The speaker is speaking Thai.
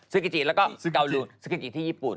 ซึกิจิแล้วก็เกาโยนซึกิจิที่ญี่ปุ่น